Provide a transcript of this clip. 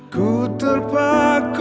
tau tau tanpa batas waktu